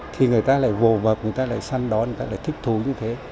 thì người ta lại vồ vập người ta lại săn đón người ta lại thích thú như thế